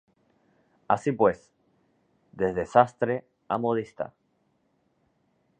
Así pues, desde sastre a modista.